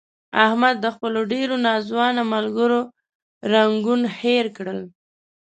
احمد د خپلو ډېرو ناځوانه ملګرو رنګون هیر کړل.